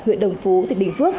huyện đồng phú tỉnh bình phước